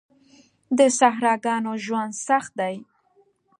د صحراګانو ژوند سخت دی.